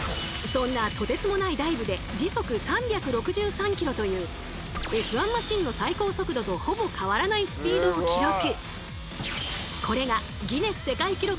そんなとてつもないダイブで時速３６３ｋｍというＦ１マシンの最高速度とほぼ変わらないスピードを記録。